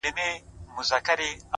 د فکرونه، ټوله مزخرف دي،